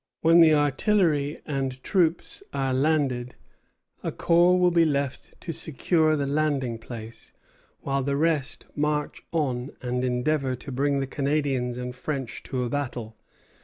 When the artillery and troops are landed, a corps will be left to secure the landing place, while the rest march on and endeavor to bring the Canadians and French to a battle.